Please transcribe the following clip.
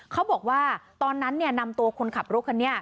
เขาบอกว่าตอนนั้นนำตัวคนขับรถคันนี้